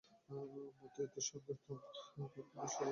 সঙ্গীতের তত্ত্বগত বিষয়ে এঁদের অবদান সুদূরপ্রসারী।